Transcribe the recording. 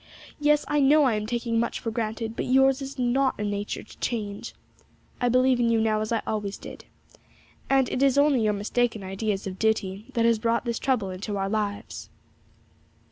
Yes, I know I am taking much for granted; but yours is not a nature to change. I believe in you now as I always did, and it is only your mistaken ideas of duty that have brought this trouble into our lives.'